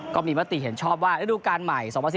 มติเห็นชอบว่าฤดูการใหม่๒๐๑๙